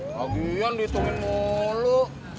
bagian ditunggu mulu